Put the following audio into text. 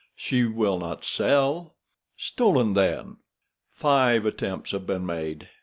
"She will not sell." "Stolen, then." "Five attempts have been made.